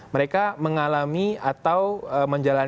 mereka mengalami atau menjalankan